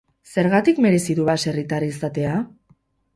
Zergatik merezi du baserritar izatea?